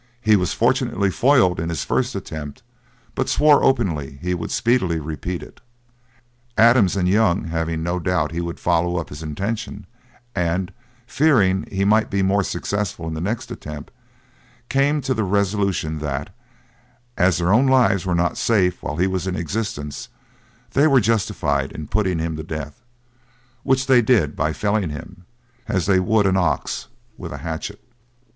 He was fortunately foiled in his first attempt, but swore openly he would speedily repeat it. Adams and Young having no doubt he would follow up his intention, and fearing he might be more successful in the next attempt, came to the resolution that, as their own lives were not safe while he was in existence, they were justified in putting him to death, which they did by felling him, as they would an ox, with a hatchet.